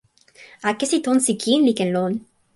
akesi tonsi kin li ken lon.